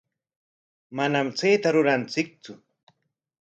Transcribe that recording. Manam chayta ruranchiktsu.